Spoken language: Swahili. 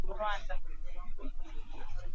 kutoka kambi ya kijeshi ya Kibungo nchini Rwanda